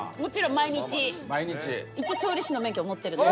一応調理師の免許持ってるので。